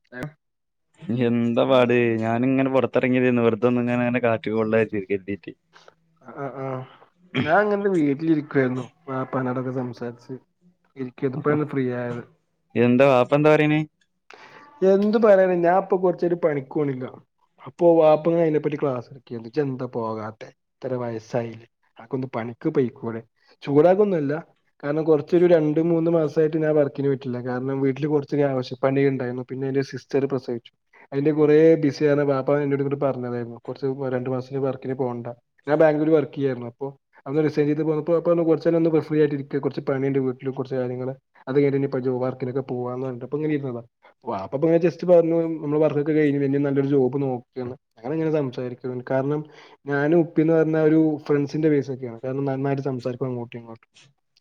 [unintelligible] നി എന്താ പാട് ഞാനിങ്ങനെ പുറത്തിറങ്ങിയതെന്നു വെറതൊന്നു നങ്ങെനെ കറ്റു കൊള്ളാ തിരി കരിതീട്ട് അ ആഹ് ഞാൻങ്ങനെ വീട്ടിലിരിക്കുവായിരുന്നു വാപ്പാനൊടൊക്കെ സംസാരിച്ച് എനിക്ക് ഇതിപ്പോഴാ ഫ്രീ ആയത് എന്താ വാപ്പ എന്താ പറയണേ എന്ത് പറയാന ഞാൻ ഇപ്പൊ കുറച്ചായിട്ട് പണിക്കോണില്ല അപ്പോ വാപ്പ അയിനെപ്പറ്റി ക്ലാസ് എടക്കെന്നു ഇജ്ജെന്താ പോകാത്തെ ഇത്ര വയസ്സായിലെ അക്കൊന്ന് പണിക്ക് പോയിക്കൂടെ ചൂടാകൊന്നല്ല കാരണം കുറച്ചൊരു രണ്ട് മൂന്ന് മാസായിട്ട് ഞാൻ വർക്കിന് പറ്റില്ല കാരണം വീട്ടില് കുറച്ച് ആവശ്യ പണി ഉണ്ടായിരുന്നു പിന്നെ എന്റെ സിസ് ട്ടറ് പ്രസവിച്ചു അയിൻ്റെ കുറേ ബിസിയാണ് പാപ്പാ എന്നോട് പറഞ്ഞതായിരുന്നു കുറച്ച് രണ്ടു മാസത്തിന് വർക്കിന് പോവണ്ട ഞാ ബാൻഗൂർ വർക്ക് ചെയ്യായിരുന്നു അപ്പോ [unintelligible] പോപ്പോ കുറച്ചെ രൊന്നു ഫ്രീ ആയിട്ടിരിക്ക് കുറച്ച് പണിയ്ണ്ട് വീട്ടില് കുറച്ച് കാര്യങ്ങളെ അത് കഴിഞ്ഞ് ഇപ്പോ ജോ വർക്കിനൊക്കെ പോവാന്ന് പറഞ്ഞ് ഇപ്പങ്ങനിരുന്നതാ വാപ്പപ്പോ ഇങ്ങനെ ജസ്റ്റ് പറഞ്ഞു നമ്മള് വർക്കൊക്കെ കയിഞ്ഞു പിന്നെ നല്ലൊരു ജോബ് നോക്കിയന്ന് അങ്ങനെ ഇങ്ങനെ സംസാരിക്കും കാരണം ഞാനു ഉപ്പിന്ന് പറഞ്ഞ ഒരു ഫ്രണ്ട്സിന്റെറെ പേസ്സക്കൊയാ കാരണം നന്നായിട്ട് സംസാരിക്കു അങ്ങോട്ടു ഇങ്ങോട്ടു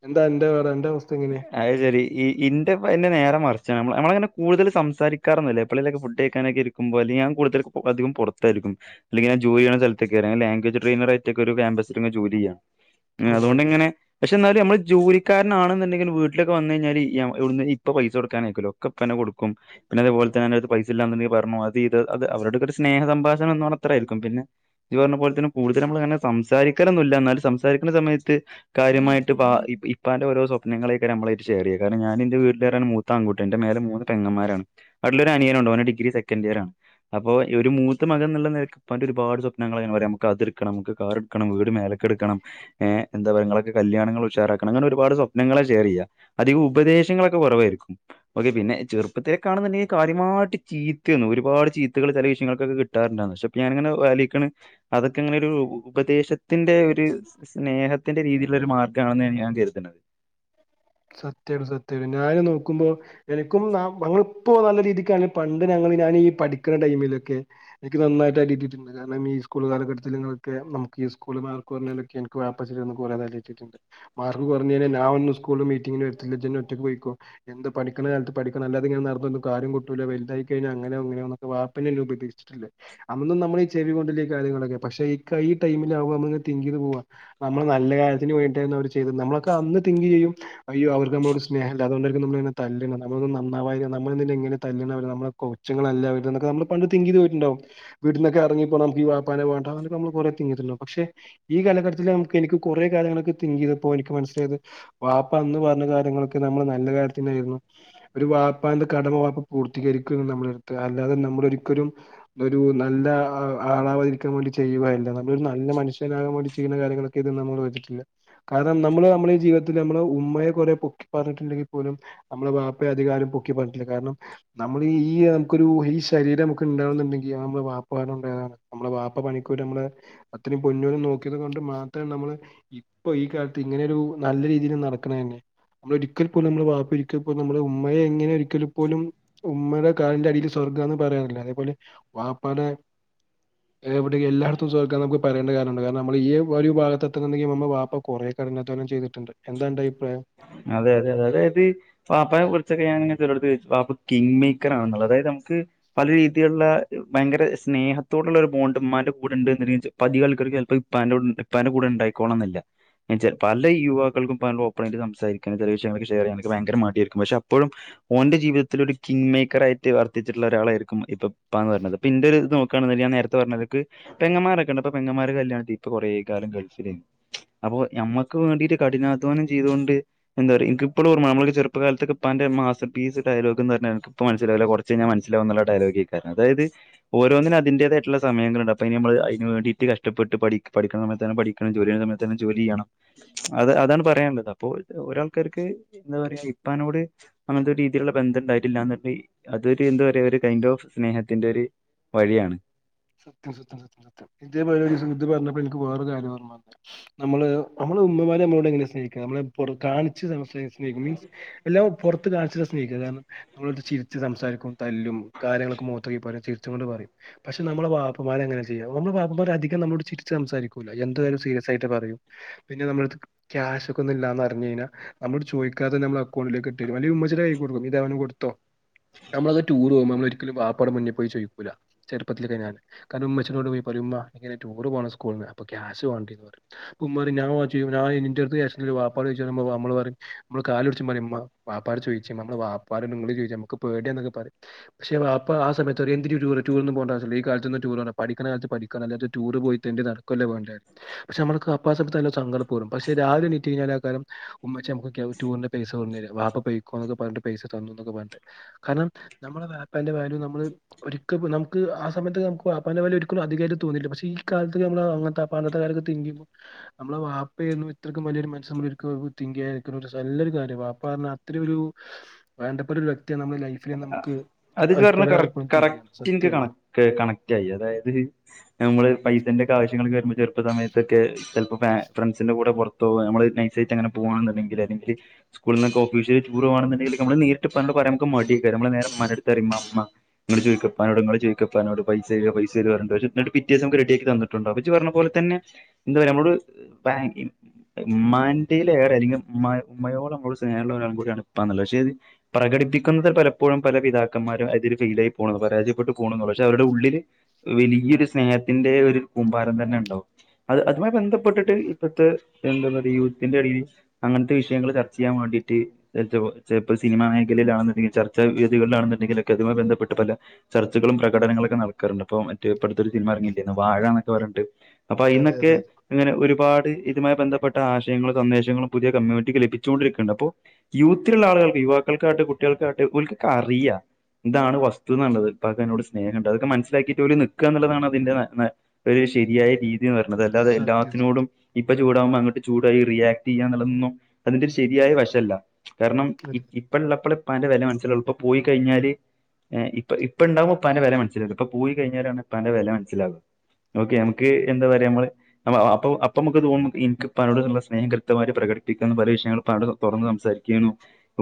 എന്താ അൻ്റെ പാട് അൻ്റെ അവ [unintelligible] അത് ശരി ഈ ഇന്റെ നേര മറിച്ച് നമ്മളങ്ങനെ കൂടുതൽ സംസാരിക്കാറൊന്നല്ല എപ്പോലൊക്കെ ഫുഡ് കഴക്കാനൊക്കെ ഇരി ക്കുമ്പോ അല്ലെ ഞാൻ കൂടുതലും അതികം പുറത്തായിരിക്കും അല്ലെങ്കി ഞാ ജോലി ചെയണ സ്ഥലത്തേക്ക അ ലാംഗവജ് ട്രൈനർ ആട്ടൊക്ക ഒരു ക്യാമ്പസിലിങ്ങനെ ജോലി ചെയ്യാ എങ്ങനെ അതൊണ്ടിങ്ങനെ പക്ഷെ എന്നാലും നമ്മ ജോലിക്കാരനാണെന്നുണ്ടെങ്കിലും വീട്ടിലൊക്കെ വന്ന കഴിഞ്ഞാല് ഇവിന്ന് ഇപ്പ പൈസ കൊടുക്കാൻ ആക്കല്ലോ ഒക്കെപ്പന്നെ കൊടുക്കും പിന്നെ അതേപലെ തന്നെ അന്റെ അടു പൈസ ഇല്ലാുണ്ടെങ്ക പറഞ്ഞ അത് അവരുടൊ ഒരു സ്നേഹ സംഭാഷണം എ പറ അത്രായിരിക്കും പിന്നെ ഇത് പറഞ്ഞ പോലെ തന്നെ കൂടുതല നമ്മൾ അങ്ങനെ സംസാരിക്കാൊന്നുമില്ല എന്നാലും സംസാരിക്കുന്ന സമയത്ത് കാര്യമായിട്ട് ഇപ്പാന്റെ ഓരോ സ്വപ്നങ്ങളെ നമ്മള് ഷർ ചെയ്യ കാരഞാൻന്റെ വീട്ടില മൂാ അൺുട്ട എന്റെേ മൂന്നെങ്ങമാരാണ് അടുടെ ഒരു അനിയർണ്ടോൻ ഡിഗ്ര സെക്കൻഡ ഇയർണ് അപ്പൊ ഒരു മൂത്ത മകന്ന എന്നുള്ള നിൽക്കാന്റെ ഒരുപാട് സ്വപ്നങ്ങൾങ്ങനെ പറയാം നമു അതിക്കണം നമുക്ക് കാരണം ണം വീട് മേലക്കെടുക്കണംഏ എന്താ പറയൊക്കെ കല്യാണങ്ങൾ ഉച്ചാറാക്കണം അങ്ങനെ ഒരുപാട് സ്വപ്നങ്ങളെ റിയ അധികം ഉപദേശങ്ങളൊക്കെ കുറവായിരിനും ഓക്കെ പിന്നെ ചെറുപ്പത്തിലേക്കണെന്നുണ്ടെങ്കിൽ കാര്യമായിട്ട് ചീത്ത ഒരുപാട് ചീത്തുകൾ ചില വിഷയങ്ങക്കെ കിട്ടും കിട്ടാറുണ്ട പക്ഷെ ഞാാനിങ്ങനെ വാലിക്ക അതൊക്കെ അങ്ങനെ ഒരു ഉപദേശത്തിന്റെ ഒരു സ്നേഹത്തിന്റെ രീതിയിലുള്ള ഒരു മാർഗ്ഗമാണെന്നാണ് ഞാൻ കരുതുന്നത് സത്യമായിട്ട സത്യമായി ഞാാന് നോക്കുമ്പോ എനിക്കും ഞങ്ങ ഇപ്പോ നല്ല രീതിക്കണ പണ്ട് ഞങ്ങ ഞൻ ഈ പഠിക്കുന്ന ടൈമിലൊക്കെ എനിക്ക് നായിട്ടാ കിട്ടിയിട്ടുണ്ട് കാരണം ഈ സ്കൂ കാലഘട്ടത്തില നിൊക്കെ നമു ഈ സ്കൂള് മാർ പറഞ്ഞാലൊക്കെ എനിക്ക് വാപ്പസില ഒന്ന് പോലരാതലയിച്ചിട്ടുണ്ട് മാർക്ക് കുറഞ്ഞനെ ഞാ ഒന്നും സ്കൂളും മീറ്റിങ്ങിന് വരത്തില്ല ജ ഒറ്റക്ക് പോയിക്കോ എന്ത് പഠിക്കണ കാലത്ത് പഠണം അല്ലാെങ്ങനെ നടന്നും കാര്ം കട്ടൂില്ല വലുതായി കഴിഞ്ഞാ അങ്ങന അങ്ങനെെ വാ അന്നും നമ്മള ഈ ചെവിിക കൊണ്ടില്ലേ കാര്യങ്ങളൊക്കെ പക്ഷെ ഈ ടൈമിൽാവക അെ തിങ്ങീത് പോവാ നമ്മള് നല്ല കാര്യത്തിന് വേണ്ടിട്ടായിരുന്നു അവര് ചെയ്തത് നമ്മളൊക്കെ അന്ന് തിങ്ക് ചെയ്യും അയ്യ അവക്ക് നമ്മളരു സ്നേഹ അതുകൊണ്ടരിക്ക നളങ്ങനെ തല്ണം നമ്മ നന്നാവായി നമ്മളെ എങ്ങനെ തല് നമ്മ ങ്ങളല്ലെ നമ്മ പണ്ട് തിങ് ചെയ് പോയിട്ടുണ്ടാവും വീട്ടിനന്നക്കെ ഇറങ്ങിപ്പോ നമക്ക് വാാനേ വേണ്ട അൊക്കെ നമ്മള് കൊേ തിങ്ങല്ല പക്ഷെ ഈ കാലഘട്ടത്തില്ൽ നമുക്ക് എനിക്ക് കൊറെേ കാലങ്ങളൊക്കെ തിങ്ക് ചെയ്തപ്പോ എനിക്ക് മനസിലായത് വ ന്ന് പറഞ്ഞ കാര്യങ്ങളൊക്കെ നമ്മള് നല്ല കാര്യത്തിനായിയിരുന്നു ഒരു വായപ്പാന്റെ കടമ വായപ്പ് പൂർത്തീകരിക്കുംന്ന് നമ്മുടെ അടുത്ത് അല്ലാതെ നമ്മള ഒരിക്കലും ഒരു നല്ല ആളാവാതിരിക്കാൻ വേണ്ടി ചെയ്യുവായില്ല നമ്മളൊരു നല്ല മനുഷ്യനാകാൻ വേണ്ടി ചെയ്യുന്ന കാര്യങ്ങളൊ നമ്മില്ല കാരണം നമ്മള് നമ്മള ജീവിതത്തിൽ നമ്മ അമ്മയെ കൊറെ പൊക്കി പറഞ്ഞിട്ടുണ്ടെങ്കിൽ പോലും നമ്മളുടെ ബാപ്പയെ അധികാലം പൊക്കി പറഞ്ഞിട്ടില്ല കാരണം നമ്മൾ ഈ നമുക്കൊരു ഈ ശരീരംമക്ക ഉണ്ടാവുന്നുണ്ടെങ്കിൽത് നമ്മള് വാപ്പാലം ഉണ്ടായതാണ് നമ്മളെ വാപ്പ പണിക്കൂർ നമ്മള് അത്രയും പൊന്നലും നോക്കിയത് കൊണ്ട് മാത്രം നമ്മള് ഇപ്പൊ ഈ കാലത്ത് ഇങ്ങനെൊ ഒരു നല്ല രീതിയിൽ നടക്കണ തന്നെ നമ്മള ഒരിക്കൽ പോലും നമ്മെ വാപ്പ ഒരിക്കൽ പോലും നമ്മുടെ ഉമ്മയെ എങ്ങനെ ഒരിക്കൽ പോലും ഉമ്മയുടെ കറിൻന്റെ അടിൽ സ്വർഗ്ഗംന്ന് പറയാറില്ല അതേപോലെ വാപ്പാട എവിടെയങ്ക എല്ലായിടത്തും ചോക്കാൻ നമു പറയേണ്ട കാര്യ കാരണം നമ്മ ഈ ഒരുാഗത്തെത്തണണ്ടെിൽ നമ്മ വാപ്പ കുറ ഘടനോലം ചെയ്തിട്ടുണ്ട് എന്താണ്ട് അഭിപ്രായം അതെ അതെ അതെ അതെത് പാപ്പ കുറൊക്കെ ഞൻങ്ങ ചിലോ പാപ്പ കിങ് മേക്കറാണുള്ള അതത് നമുക്ക് പല രീതിയിലുള്ള ഭയങ്കര സ്നേഹത്തോടുള്ള ഒരു ബോണ്ടമാരുടെ കൂടെണ്ട് എന്ന്ച്ച പതി ആൾക്കാക്ക് ചപ്പോ ഇപ്പാന്റെ ഇപ്പാന്റെ കൂടെ ഉണ്ടായിക്കോളണംെന്നില്ല പല യുവാ ക്ക ഓപ്പ ആായി് സംസാരിക്ക ചില വിയങ്ങൾ ഷെയർ ചെയ്യാനെ ഭയര മാട്ടിയരിക്കും പെ അപ്പോഴും ഓന്റെ ജീവിതത്തിലൽ ഒരു കിങ് മേക്കർ ആയിട്ട് വർദ്ധിച്ചിുള്ളരാള ആായിരിക്കും ഇപ്പ ഇപ്പാ എന്ന് പറഞ്ഞുന്നത് പിന്നന്റെ ഒരു ഇത് നോക്കുകണങ്ക ഞാ നേരത്തെ പറഞ്ഞക്ക് പെങ്ങമാരൊക്കെ ഉണ്ട് അപ്പ പെങ്ങന്മാര് കല്യാണത്തി ഇപ്പൊ കൊറേ കാലം കൾഫി അപ്പൊ നമ്മക്ക് വേണ്ടിട്ട കഠിനാധ്വാനം ചെയ്തുകൊണ്ട് എന്തായ എനി ഇപ്പോഴ ഓമ്മക്ക് ചെുപ്പ കാലത്ത്ക്ക ഇപ്പ എന്റെ മാസീസ് ഡയലോഗ് എന്ന് എനിപ്പ മനസിലാവ കുറ മനസിലാവുള്ള ഡയലോഗ കാര അതായത് ഓരോന്നിന അതിന്റേതായിട്ടുള്ള സയങ്ങളണ്ട്പ്പൊ ഇനി നമ്മ അതിന് വേണ്ടീട്ട് കഷ്ടപ്പെട്ട്ഠ പഠിക്കുന്ന സയത്ത് തന്നെ പഠ ജോലിയ സയത്ത്ന്ന ജോലിയാണ് അത് അതാണ് പറയാനുള്ളത് അപ്പൊ ഒരാൾക്കാർക്ക് എന്താ പറയാ ഇപ്പാനോട് അങ്ങനത്തെ ഒരു രീതിയിലുള്ള ബന്ധം ഉണ്ടായിട്ടില്ലന്ന് പറ അതൊരു എന്താ പറയയാ ഒരു കൈന്ഡ് ഓഫ് സ്നേഹത്തിന്റെ ഒരു വഴിയാണ് സത്യം സത്യം സത്യം സത്യം ഇതെ പോല ഒരു ദിവസം ഇത് പറഞ്ഞപ്പോ എനിക്ക് വേറെ കാര്യ ഓർമ വന്നേ നമ്മള് നമ്മള് ഉമ്മമാരെ നമ്മളോട് എങ്ങനെ സ്നേഹിക്ക നമ്മളെ പുറ കാണിച്ച് തന്ന് സ്നേഹിക്കും മീൻസ് എല്ലാം പുറത്ത് കാണിച്ച സ്നേഹിക്കുക കാരണം നമ്മളെ ചിരിച്ച് സംസാരിക്കും തല്ലും കാര്യങ്ങളൊക്കെ മുഖത്ത് നോക്കി പറയും ചിരിച്ചു കൊണ്ട് പറയും പക്ഷെ നമ്മളെ വാപ്പ മാര് അങ്ങനെ ചെയ്യ നമ്മളെ വാപ്പ മാര അധികം നമ്മളട് ചിരിച്ച് സംസാരിക്കൂ ല എന്താ കാര്യമായാലും സീരിയസ് ആയിട്ട് പറയു പിന്നെ നമ്മളെ അടുത്ത് ക്യാഷ്ക്ക ഒന്നും ഇല്ലന്ന് അറിഞ്ഞു കഴിഞ്ഞാൽ നമ്മോട് ചോദാതെ നമ്മളെ അക്കൗണ്ടിലേക്ക് ഇട്ട് തരും അല്ലങ്കിൽ ഉമ്മച്ചിടെ കയ്യിൽ കൊടുക്കും ഇത് അവന് കൊടുത്തോ നമ്മളത് ടൂർ പോകുമ്പോ നമ്മെള് ഒരിക്കലും വാപ്പാടെ മുനിൽ പോയി ചോദിക്കുല [unintelligible] കാരണം ഉമ്മച്ചിനോട് പോയി പറയും ഉമ്മ ഇങ്ങണെ ടൂർ പോണം സ്കൂളിൽ നിന്ന് അപ്പോൾ ക്യാഷ് വേണ്ടി വരും എന്ന് പറയും ഉമ്മ പറയും ഞാൻ വാങ്ങിച്ച് തരൂലാ ഇന്റടുത്ത് [unintelligible] വാപ്പ ചോയിച്ചു ഇമ്മ [unintelligible] ഇമ്മ കാലു പിടിച്ച് [unintelligible] വാപ്പയോട് ചോദിച്ചി നമ്മ വാപ്പനി ചോദിച്ച നമക്ക് പേടി എന്നക്കെ പറയും പക്ഷെ വാപ്പ ആ സമയത്ത് പറയും എന്തിന് ടൂറ് ടൂറിന്ന് പോകണ്ട ഈകാലത്ത്ന്ന് ടൂർ പഠിക്കണാലത്ത് പഠിക്കാ അല്ലാതെ ടൂർ പോയി തെണ്ടി നടക്കല്ലേ വേണ്ട പക്ഷെ നമ്മു അപ്പാ സമയത്ത് നല്ല സങ്കടപ്പ വരും പക്ഷെ രാവിലെ എണീറ്റ് കഴിഞ്ഞാൽ ആക്കാരം ഉമ്മച്ചി നമുക്ക് ടൂറിന്റെ പൈസ തന്ന് വാപ്പ പോക്കോന്നക്കെ പറഞ്ഞി് പൈസ തന്നൊക്കെ പറഞ് കാരണം നമ്മുടെ വാപ്പാന്റെ വാല്യൂ നമ്മള് ഒരിക്ക നമുക്ക് സമയത്ത് നുക്ക്പ്പാ വാപ്പാന്റെ ഒരിക്കലും അധികരിം തോന്നയില്ല പക്ഷെ ഈ കാലത്ത് നമ്മ അങ്ങത്തെ വാപ്പാനത്തെ കാലത്ത് [unintelligible] നമ്മളെ വാപ്പുന്ന ഇത്രക്കും വലിയരു മനസ്സ് നമ്മ ഇരിക്കുന്നു തിങ്ക് ചെയുക നല്ലൊരു കാര്യമാണ് വാപ്പ പറഞാ അത്ര ഒരു വേണ്ടപ്പെട്ട ഒരു വ്യക്തിയാണ് നമ്മുടെ ലൈഫ് നമുക്ക് അത് ഇപ്പോഴാ [unintelligible] സത്യമായിട്ടും കണക്ട് ആയി അതായത് നമ്മള് പൈസന്റെ ഒക്കെ ആവശ്യ രുമ്പോ ചെറു സയൊക്കെ ചെപ്പോ ഫ്രണ്ട്സിന്റെ കൂടെ പുറത്ത് പേവ നമ്മ നൈസായിട്ട് അങ്ങന പോകണെന്നുണ്ടെങ്കിൽ അല്ലെങ്കില് സ്കൂളിൽന്നക്കെ ഓഫീഷ്യ ടൂർ പോണമെന്നുണ്ടെങ്കിൽ നമ്മ നേരിട്ട് ഉപ്പാനോട് പറയാൻ മടി ആയിരിക്കും നമ്മള് ഉമ്മന്റെ അടുത്ത് പറയും ഉമ്മാ ഉമ്മാ നിങ്ങൾ ചോദിക്കെ ഇപ്പാനോട് ചോദിക്കെ ഇപ്പാനോട് പൈസ തരുമോ പൈസ തരുമോ എന്ന് പിറ്റേ ദിവസം റെഡി ആക്കി തന്നിട്ടുണ്ട് ണ്ട് ഇജ് പറഞ്ഞ പോലെ തന്നെ എന്താ പറയാ നമ്മളോട് ബയങ്ക ഉമമാന്റെയില ഏറെ അല്ലെങ്കിൽ ഉ ഉമ്മയോട് നമ്മോട് സ്നേഹമുള്ള ആൺകൂട്ടിയാണ് ഇപ്പാ എന്നുള്ളത് പക്ഷേ അത് പ്രകടിപ്പിക്കുന്നത് പല ഇപ്പോഴും പല പിതാക്കന്മാരും അതിൽ ഫെയിൽ ആയി പോകണുന്നു പരാജയപ്പെട്ട് പോകുന്നു പക്ഷെ അവരുടെ ഉള്ളില് വലിയൊരു സ്നേഹത്തിന്റെ ഒരു കൂമ്പാരം തന്നെ ഉണ്ടാവും അത് അതുമായി ബന്ധപ്പെട്ടിട്ട് ഇപ്പഴത്തെ എന്താ പറയ യൂത്തിന്റെ ഇടയിൽ അങ്ങനത്തെ വിഷയങ്ങൾ ചർച്ച ചെയ്യാൻ വേണ്ടിയിട്ട് ചിലപ്പോ സിനിമ മേഖലയിലാണെങ്കിൽ ചർ ച്ച വേതികളിലണെന്നുണ്ടെിലൊക്കെ അതുമായി ബന്ധപ്പെട്ട് പല ചർച്ചുകളും പ്രകടനങ്ങളും ഒക്കെ നടക്കാറുണ്ട് ഇപ്പ മറ്റേ ഇപ്പഴത്തെ ഒരു സിനിമ ഇറങ്ങില്ലേ വാഴന്നൊക്കെ പറഞ്ഞിട്ട് അപ്പൊ അതെ അയിനൊക്കെ അതെ അതെ അങ്ങനെ ഒരുപാട് ഇതുമായി ബന്ധപ്പെട്ട ആശയങ്ങളും സന്ദേശങ്ങളും പുതിയ കമ്മ്യൂണിറ്റിക്ക് ലഭിച്ചുകൊണ്ടിരിക്കുന്നുണ്ട് അപ്പോ യൂത്തിലുള്ള ആളുകൾക്ക് യുവാക്കൾക്കായിട്ട് കുട്ടികൾക്കായിട്ട് ഓൽക്ക് ഒക്കെ അറിയാം എന്താണ് വസ്തു എന്നുള്ളത് മകനോട് സ്നേഹം ഉണ്ട് അതൊക്കെ മനസിലാക്കിട്ട് ഓല് നിക്ക എന്നുള്ളതാണ് അതിൻന്റെ ഒരു ശരിയായ രീതിന്ന് പറയത് അല്ലാതെ സത്യം എല്ലാത്തിനോടും സത്യം ഇപ്പൊ ചൂടാകുമ്പോ അങ്ങട്ട് ചൂടായി റിയാക്ട് ചെയ്യാ എന്നുള്ളതന്നും അതിന്റെ ശരിയായ വശല്ല കാരണം അതെ അതെ ഇപ്പ ഇള്ളപ്പോള ഇപ്പാന്റെ വില മനസ്സിലൂ ഇപ്പ പോയി കഴിഞ്ഞാല് ഇപ്പ ഇപ്പ സത്യം ഇണ്ടാുമ്പ ഇപ്പാന്റെ വില മനസിലാകും ഇപ്പ പോയി കഴിഞ്ഞാലാണ് ഇപ്പാന്റെ വിലമനസിലാകുക ഓക്കെ നമുക്ക് എന്താ പറയാ നമ്മള് അപ്പൊ അപ്പൊ നമ്മുക്ക് തോന്നും എനിക്ക് ഉപ്പാനോടുള്ള സ്നേഹം കൃത്യമായി് പ്രകടിപ്പിക്കുന്ന പല വിഷയങ്ങൾ ഇപ്പാനോട് തുറന്ന് സംസാരി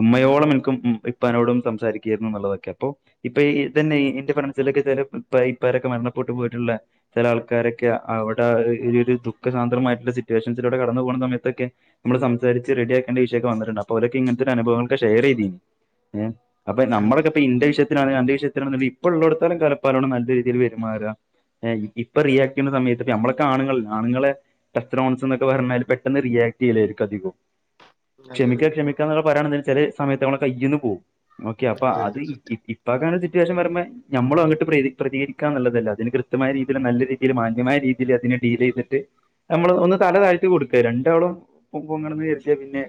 ഉമ്മയോളം എനിക്കും ഉം ഇപ്പാനോടും സംസാരിക്കുകയരുന്നു എന്നുള്ളതൊക്കെ അപ്പൊ ഇപ്പൊ ഇതന്നെ ഇന്റെ ഫ്രൻസിലൊക്കെ ചില ഇ ഇപ്പരൊക്കെ മരണപെട്ട് പോയിട്ടുള്ള ചില ആൾക്കാരൊക്കെ അവിടെ ഒരു ഒരു ദുഃഖ സാന്ദ്രമായിട്ടുള്ള സിറ്റുവേഷൻസിലൂടെ കടന്നു പോകുന്ന സമയത്തൊക്കെ നമ്മള് സംസാരിച്ച് റെഡിയാക്കണ്ട വിഷയക്ക വന്ന്ട്ട്ണ്ട് അപ്പോ അവരൊക്കെ ഇങ്ങൻത്തെ ഒരുനഭവങ്ങൾെ ഷെയറ് ചെയ്തീന്. ഏ അപ്പൊ അതെ നമ്മളൊക്കെ അതെ ഇപ്പൊ ഇന്റെ വിഷ അന്റെ വിഷയത്തിനാണ് ഇപ്പ ഒള്ളോട്ത്തോളം കാലം ഇപ്പാനോട് നല്ല രീതിയിൽ പെരുമാറുക ഇപ്പ റിയാക്ട് ചെയ്യുന്ന സമയത്ത് ഇപ്പ നമ്മളൊക്കെ ആണുങ്ങൾ ആണുങ്ങളെ സ്ത്രോൺ എന്നൊക്കെ പറഞ്ഞാല് പെട്ടെന്ന് റിയാക്ട് ചെയ്യല്ലിയിരിക്കും അധികവും. അതെ ക്ഷമിക്ക അതെ ക്ഷമിക്കാ എന്നുള്ള പറയാണെങ്കി വെച്ചാല് സമയത്ത് നമ്മളെ കൈയ്യിന്ന് പോകും ഓക്കെ അപ്പൊ അതെ അത് അതെ സത്യം അപ്പ അതൊക്കെയാണ് സിറ്റുവേഷൻ വരുമ്പേ നമ്മള് അങ്ങിട്ട് പ്രരി പ്രതികരിക്കാൻനുള്ളതല്ല അതിന് കൃത്യമായ രീതിയിൽ നല്ല രീതിയിൽ മാന്യമായ രീതിയിൽ അതിനെ ഡീല് ചെയ്യ്തിട്ട് നമ്മള് ഒന്ന് തലതാഴ്ത്തി കൊടുക്ക രണ്ടാളും പൊങ്ങണന്ന് വിജാരിച്ച പിന്നെ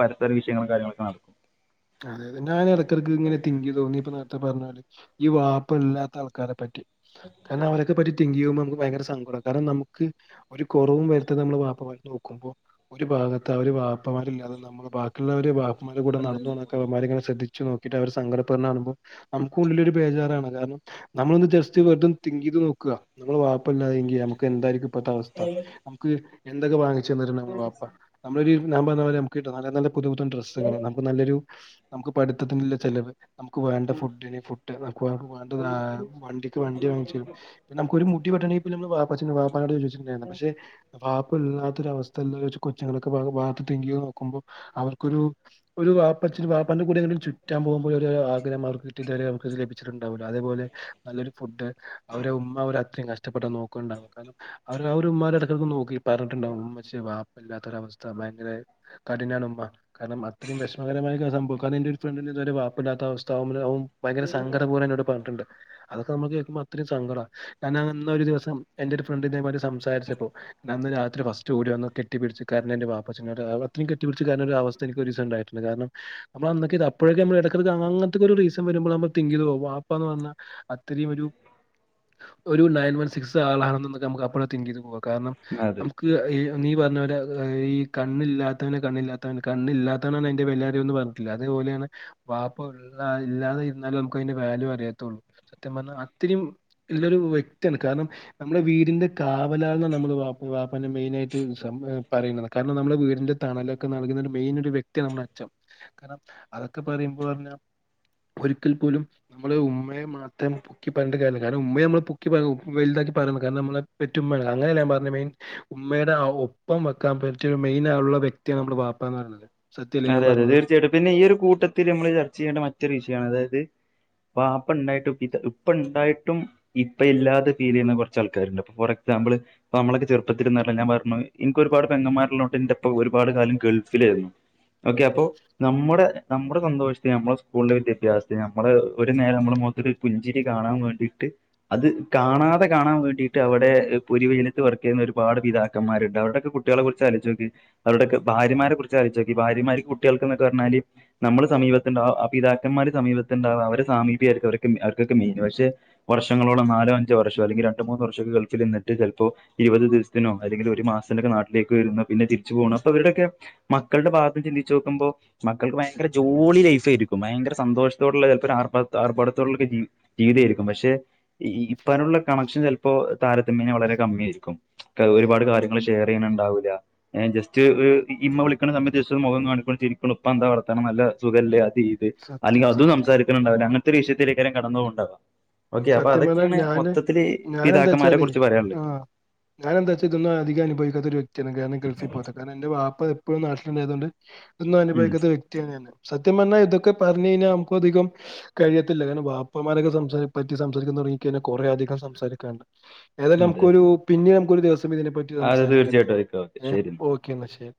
പരസ്പര വിഷയങ്ങളും കാര്യങ്ങളൊക്കെ ആണ്. അതെ ഞാൻ ഇടക്ക്ടക്ക് ഇങ്ങനെ തിൻങ്ക് ചെയ്തു നീ ഇപ്പൊ നേരത്തെ പറഞ്ഞോലെ ഈ വാപ്പ ഇല്ലാത്ത ആൾക്കാരെ പറ്റി. കാരണം അവരക്കെ പറ്റി തിങ്ക് ചെയ്യുമ്പോ നമുക്ക് ഭയങ്കര സങ്കടാണ്. കാരണം നമുക്ക് ഒരു കൊറവും വരുത്താതെ നമ്മളെ വാപ്പമാര് നോക്കുമ്പോ. ഒരു ഭാഗത്ത് ആ ഒരു വാപ്പമാരില്ലാതെ നമ്മള് ബാക്കിള്ളവര് വാപ്പാന്റെ കൂടെ നടന്ന് പോണത് - അവരെങ്ങനെ ശ്രദ്ധിച്ച് നോക്കിട്ട് അവര് സങ്കടപെട്ണ കാണുമ്പോ നമുക്കു ഉള്ളിലൊരു ബേജാറാണ് കാരണം നമ്മളൊന്ന് ജസ്സ് വെറുതെ ഒന്ന് തിൻക് ചെയ്ത് നോക്ക്ക നമ്മള് വാപ്പല്ലാതെങ്കിൽ നമുക്ക് എന്തായിരിക്കും ഇപ്പഴത്തെ അവസ്ഥ നമുക്ക് എന്തൊക്കെ വാങ്ങിച്ചു തന്നീരുന്നതാ നമ്മളെ വാപ്പ. നമ്മളൊരു ഞാൻ പറഞ്ഞ പോലെ നമുക്ക് [unintelligible] ക്ക്ട്ടണം പുതു പുത്തൻ ഡ്രസ്സുകളും നമുക്ക് നല്ലൊരു നമ്മക്ക് പടുത്തത്തിനുള്ള ചെലവ്. നമുക്ക് വേണ്ട ഫുഡ്‌ന് ഫുഡ് നമു വേണ്ട വണ്ടി വണ്ടി വാങ്ങിച്ചു തരും നമുക്കൊരു മുടി വെട്ടണെങ്കിപോലും വാപച്ചിനോട്‌ വാപ്പാനോട്‌ ചോയ്ക്കണം പക്ഷേ വാ ഇപ്പ ഇല്ലാത്തൊരവസ്ഥ കൊച്ചങ്ങളൊക്കെ വളർന്ന് തിങ്ക് ചെയ്ത് നോക്കുമ്പോൾ അവർക്കൊരു ഒരു വാ വാപ്പാന്റെ കൂടെ ചുറ്റാ പോകുമ്പോൾ ഒരു ആഗഹം അവർ. [unintelligible] ണ്ട അതെപ്പോലെ നല്ലൊരു ഫുഡ് അവരെ ഉമ്മ അവരെ അത്രയും കഷ്ട്ടപ്പെട്ട നോകുന്നുണ്ടാവ കാരണം. അവര് അവ ഒരുമാനെ എടക്കടുക്ക് നോക്കി. പറഞ്ഞിട്ടുണ്ടാവും ഉമ്മച്ചി വാപ്പയില്ലാത്തൊരവസ്ഥ ഭയങ്കര കഠിനമാണ് ഉമ്മ കാരണം അത്രയും വെഷ ഓളെ മര്യാസംഭവം [unintelligible] കാരണം ഇന്റെ ഒരു ഫ്രണ്ടിന്റെ വാപ്പയില്ലാത്ത അവസ്ഥ അവനൻ പറയും - ഭയങ്കര സങ്കടം പോലെ എന്നോട് പറഞ്ഞിട്ടിണ്ട്. അതൊക്കെ നമ്മക്ക് കേൾക്ക്പോ അത്രയും സങ്കടാണ് കാരണം അന്നൊരു ദിവസം എന്റെ ഒരു ഫ്രണ്ട് ഇതേ മാരി സംസാരിച്ചപ്പോ- അന്ന് രാത്രി ഫസ്റ്റ് ഓടി കെട്ടിപിടിച്ചു കരഞ്ഞു എന്റെ പാപ്പ അ [unintelligible] ത്രി കെട്ടിപിടിച്ചു കരഞ്ഞ അവസ്ഥ എനിക്ക് ഒരു ദിവസോം ഉണ്ടായിട്ടുണ്ട്. കാരണം അന്നൊക്കെ അപ്പോഴേക്കെ എടക്ക് എടക്കു അങ്ങനത്തെ ഒക്കെ ഒരു ദിവസം വരുമ്പം തിങ്ക് ചെയ്ത് നോക്കും വാപ്പാന്ന് പറഞ്ഞ- അത്രയും ഒരു നയൻ വൺ സിക്സ് ആളാണെന്നൊക്കെ നമുക്ക് അപ്പോഴേ തിങ്ക് ചെയ്ത് പോകാം കാരണം- അത് നമുക്ക് ഈ നീ പറഞ്ഞപോലെ ഈ കണ്ണില്ലാത്തവനെ കണ്ണില്ലാത്തവന് കണ്ണില്ലാത്തവനാണ് - എല്ലാരുംയെന്ന് പറഞ്ഞട്ടില്ലേ അതേപോലെയാണ്- വാപ്പയില്ലാതെ ഇരുന്നാലേ നമുക്ക് അതിന്റെ വാല്യൂ അറിയതൊള്ളൂ സത്യം പറഞ്ഞാൽ അത്രയും- നല്ലൊരു വ്യക്തിയാണ് കാരണം- നമ്മുടെ വീടിന്റെ കാവലാൾ എന്നാ നമ്മള് വാപ്പാനെ മെയിനാ ആയിട്ട് പറയുന്നത് കാരണം നമ്മുടെ വീടിന്റെ തണലൊക്കെ നൽകുന്ന മെയിൻ ഒരു വ്യക്തിയാ നമ്മുടെ കാരണം അതൊക്കെ പറയുമ്പോ പറഞ്ഞ ഒരിക്കൽ പോലും- നമ്മള് ഉമ്മയെ മാത്രം- പറഞ്ഞിട്ട് കാര്യം ഇല്ല കാരണം ഉമ്മയെ നമ്മൾ പൊക്കി പറയണം വെലുതാക്കി പറയണം കാരണം നമ്മളെ പെറ്റുമ്മയാണ് അങ്ങനെ ഞാൻ പറഞ്ഞെത്- ഉമ്മയുടെ ആ ഒപ്പം വെക്കാൻ പറ്റയെ മെയിനായുള്ള ഒരു വ്യക്തിയാണ് നമ്മുടെ വാപ്പ എന്ന് പറയത്. അതെ അതെ തീർച്ചയായിട്ടും പിന്നെ ഈ ഒരു കൂട്ടത്തിൽ നമ്മള് ചർച്ച ചെയ്യേണ്ട മറ്റൊരു വിഷയാണ് അതായത്. വാപ്പ ഇണ്ടായിട്ടും ഉപ്പ ഇണ്ടായിട്ടും- ഇപ്പ ഇല്ലാതെ ഫീൽ ചെയ്യുന്ന കൊറച്ച് ആൾക്കാര് ഇണ്ട് ഫോർ എക്സാമ്പിള് - അപ്പ നമ്മളൊക്കെ ചെറുപ്പത്തില് എന്ന് പറഞ്ഞാ ഞാൻ [unintelligible] പറഞ്ഞു എനിക്ക ഒരുപാട് പെങ്ങാൻമാർയുള്ളൊണ്ട് എന്റെ ഉപ്പ ഒരുപാട്കാലം ഗൾഫിലാർന്നു ഓക്കേ അപ്പൊ - നമ്മുടെ നമ്മുടെ സന്തോഷതിന് നമ്മുടെ സ്കൂളിന്റെ വിദ്യാഭ്യാസതിന്ന് നമ്മള് ഒരു നേരം- നമ്മളെ മൊതല് പുഞ്ചിരി കാണാൻ വേണ്ടിയിട്ട്- അത് കാണാതെ കാണാൻ വേണ്ടീട്ട് അവിടെ പൊരിവെയിലത്ത് വർക്ക് ചെയ്യുന്ന ഒരുപാട് പിതാക്കന്മാരുണ്ട് അവരുടെയൊക്കെ കുട്ടി - കുട്ടികളെ കുറിച്ച് ആലോചിച്ചു നോക്ക് അവരുടെ ഭാര്യമാരെ കുറി ആലോചിച്ചു നോക്കി ഭാര്യമാക്ക് കുട്ടികൾക്ക് എന്നൊക്കെ പറഞ്ഞാല് നമ്മള് സമീപത്തുണ്ടാവും ആ പിതാക്കന്മാര് സമീപത്തുണ്ടാവും അവരെ സമീപ്യ ആയിരിക്കും അവർ അവർക്കൊക്കെ മെയിൻ പക്ഷെ വർഷങ്ങളോളം നാലോ അഞ്ചോ വർഷോ അല്ലെങ്കിൽ രണ്ട് മൂന്ന് വർഷക്കെ ഗൾഫിൽ നിന്നിട്ട് ചെലപ്പോ ഇരുപത് ദിവസത്തിനോ അല്ലെങ്കിൽ ഒരു മാസത്തിനോ ഒക്കെ നാട്ടിലേക്ക് വരുന്ന പിന്നെ തിരിച്ചു പോകണം അപ്പൊ അവരുടെക്കെ മക്കളുടെ ഭാ ഗം ചിന്തിച്ചു നോക്കുമ്പോ മക്കൾക്ക് ഭയങ്കര ജോളി ലൈഫ് ആയിരിക്കും ഭയങ്കര സന്തോഷത്തോടുള്ള ചെലപ്പോ ആർഭാ ആർഭാടത്തോടുള്ളക്കെ ജി വിതെയിരിക്കും പക്ഷെ ഇപ്പാനുള്ള കണക്ഷൻ ചെലപ്പോ താരതമ്യെനെ വളരെ കമ്മിയയിരിക്കും ക്കെ ഒരുപാട് കാര്യങ്ങൾ ഷെയർ ചെയ്യാന ഇണ്ടാവൂല്ല ഹെ ജസ്റ്റ് ഹെ ഇമ്മ വിളിക്കുന്ന സമയ ത്തിന് മുഖം കാണിക്കുന്നു ചിരിക്കുണ് ഇപ്പ എന്താ വളത്തണം നല്ല സുഖല്ല അത് ഇത് സത്യം അല്ലെങ്കിൽ അതും സത്യം സംസാരി ത്ത്ണ്ടാവൂല അങ്ങനത്തെ ഒരു വിഷയത്തിലേക്കാരം കടന്ന് പോവുണ്ടാവ ഓക്കെ അപ്പൊ സത്യം പറഞ്ഞാൽ അതൊക്കെയാണ് ഞാന് മൊത്തത്തില് പിതാക്കന്മാരെ കുറിച്ച് പറയാനുള്ളത് ഞാന് എന്താ വച്ച ഇതന്നും അധികം അനുഭവിക്കാത്ത ഒരു വ്യക്തിയാണ് കാരണം ഗൾഫിൽ പോവാത്ത ഇന്റെ വാപ്പ എപ്പോഴും നാട്ടിലുണ്ടായതുണ്ട് എദോണും ഉം അനുഭവിക്കത്ത വെക് തിയാണ് ഞാൻ സത്യം പറഞ്ഞാ ഇതൊക്കെ പറഞ്ഞ് കഴിഞ്ഞാൽ നമുക്ക അധികം കഴിയത്തില്ല കാരണം വാപ്പമാരൊക്കെ സംസാ പറ്റി സംസാരിക്കാൻ തുടങ്ങി കഴിഞ്ഞാൽ കുറെ അധികം സംസാരിക്കണ്ട് ഏതായാലും അതെ അതെ നമുക്കൊരു പിന്നെ നമുക്കൊരു ദിവസം ഇതിനെപ്പറ്റി അത് സംസാരിക്കല്ലേ തീർച്ചയായിട്ടും ഓക്കെ ഓക്കെ ഏഹ് ശരി ഓക്കെ എന്നാ ശരി